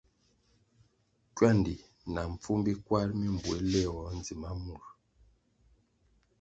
Kywandi na mpfumbi kwar mi mbuéh léwoh ndzima mur.